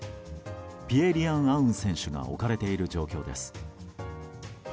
ピエ・リアン・アウン選手が置かれている状況です。